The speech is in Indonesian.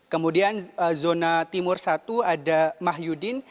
kemudian zona timur satu ada mah yudin